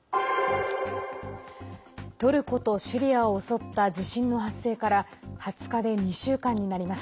トルコとシリアを襲った地震の発生から２０日で２週間になります。